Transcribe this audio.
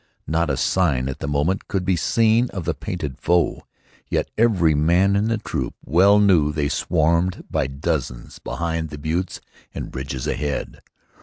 Not a sign at the moment could be seen of the painted foe, yet every man in the troop well knew they swarmed by dozens behind the buttes and ridges ahead.